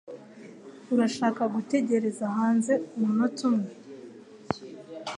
Urashaka gutegereza hanze umunota umwe?